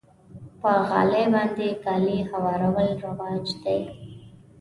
په غالۍ باندې کالي هوارول رواج دی.